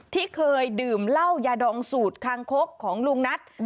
ที่เคยดื่มเหล้ายาดองสูตรคางคกของลุงนัท